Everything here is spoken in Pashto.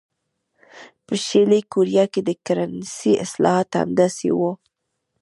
په شلي کوریا کې د کرنسۍ اصلاحات هم همداسې وو.